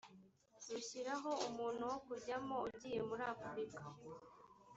rushyiraho umuntu wo kuwujyamo ugiye muri afurika